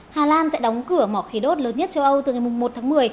hà lan sẽ đóng cửa mỏ khí đốt lớn nhất châu âu từ ngày một tháng một mươi